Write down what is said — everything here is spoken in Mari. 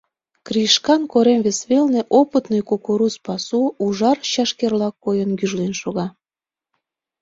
Кришкан корем вес велне опытный кукуруз пасу, ужар чашкерла койын, гӱжлен шога.